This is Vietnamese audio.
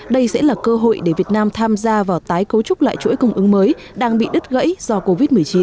đây sẽ là cơ hội để việt nam tham gia vào tái cấu trúc lại chuỗi cung ứng mới đang bị đứt gãy do covid một mươi chín